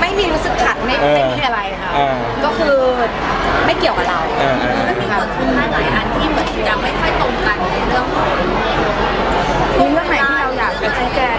ไม่มีรู้สึกเขล่าในพูดแก้ในอะไร